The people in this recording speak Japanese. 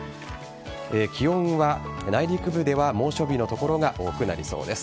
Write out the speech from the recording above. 気温は、内陸部では猛暑日の所が多くなりそうです。